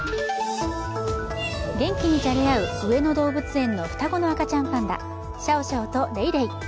元気にじゃれ合う上野動物園の双子の赤ちゃんパンダ、シャオシャオとレイレイ。